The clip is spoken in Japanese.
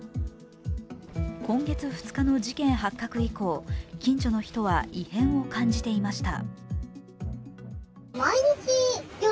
今月２日の事件発覚以降、近所の人は異変を感じていました。